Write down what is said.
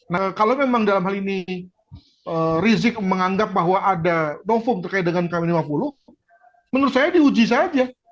nah kalau memang dalam hal ini rizik menganggap bahwa ada novum terkait dengan km lima puluh menurut saya diuji saja